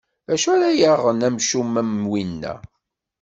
Acu ara yaɣen amcum am winna.